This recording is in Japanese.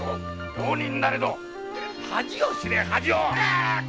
浪人なれど恥を知れ恥を‼